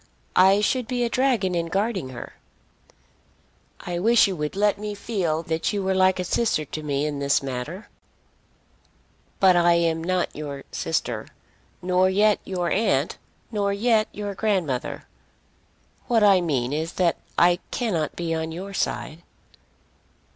I should be a dragon in guarding her." "I wish you would let me feel that you were like a sister to me in this matter." "But I am not your sister, nor yet your aunt, nor yet your grandmother. What I mean is that I cannot be on your side."